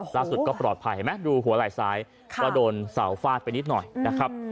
ล่าสุดก็ปลอดภัยเห็นไหมดูหัวไหล่ซ้ายก็โดนเสาฟาดไปนิดหน่อยนะครับ